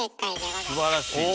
すばらしい。